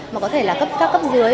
mà có thể là các cấp dưới